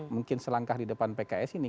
mungkin selangkah di depan pks ini